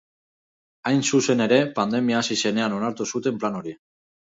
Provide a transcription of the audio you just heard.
Hain zuzen ere, pandemia hasi zenean onartu zuten plan hori.